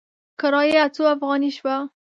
کرایه څو افغانې شوه؟